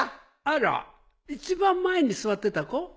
あら一番前に座ってた子？